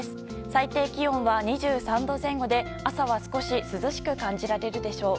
最低気温は２３度前後で、朝は少し涼しく感じられるでしょう。